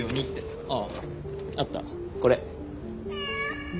あああったこれ。